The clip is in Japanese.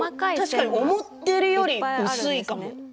確かに思っているより薄いかも。